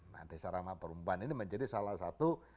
nah desa ramah perempuan ini menjadi salah satu